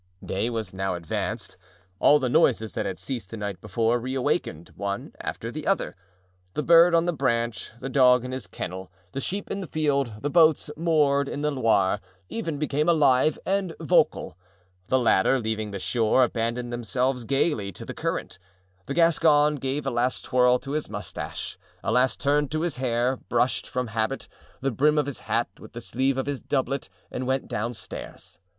Day was now advanced; all the noises that had ceased the night before reawakened, one after the other. The bird on the branch, the dog in his kennel, the sheep in the field, the boats moored in the Loire, even, became alive and vocal. The latter, leaving the shore, abandoned themselves gaily to the current. The Gascon gave a last twirl to his mustache, a last turn to his hair, brushed, from habit, the brim of his hat with the sleeve of his doublet, and went downstairs.